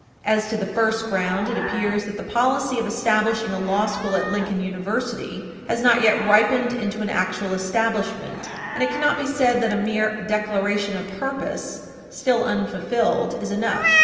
113 S.W.2d p. 791. As to the first ground, it appears that the policy of establishing a law school at Lincoln University has not yet ripened into an actual establishment, and it cannot be said that a mere declaration of purpose, still unfulfilled, is enough.